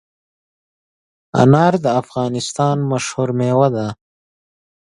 انار د افغانستان مشهور مېوه ده.